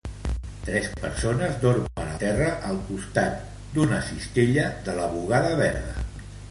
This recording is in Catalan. Tres persones dormen al terra al costat d'una cistella de la bugada verda